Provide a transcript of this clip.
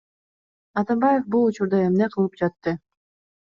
Атамбаев бул учурда эмне кылып жатты?